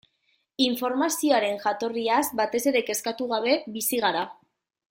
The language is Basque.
Informazioaren jatorriaz batere kezkatu gabe bizi gara.